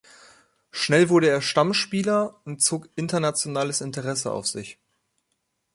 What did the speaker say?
Schnell wurde er Stammspieler und zog internationales Interesse auf sich.